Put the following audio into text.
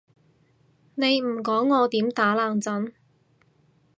你唔講我點打冷震？